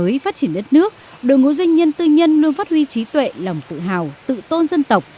đổi mới phát triển đất nước đội ngũ doanh nhân tư nhân luôn phát huy trí tuệ lòng tự hào tự tôn dân tộc